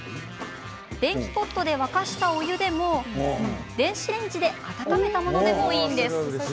電気ポットで沸かしたお湯でも電子レンジで温めたものでもいいんです。